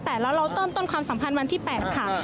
แต่แล้วเราเริ่มต้นความสัมพันธ์วันที่๘ค่ะ